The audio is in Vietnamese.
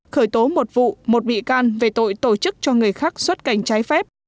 khởi tố một vụ một bị can về tội tổ chức cho người khác xuất cảnh trái phép